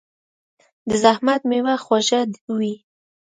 د زحمت میوه خوږه وي.